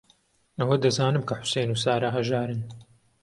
ئەوە دەزانم کە حوسێن و سارا ھەژارن.